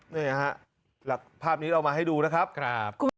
นี่ฮะภาพนี้เรามาให้ดูนะครับ